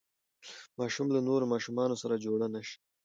ماشوم له نورو ماشومانو سره جوړ نه شي.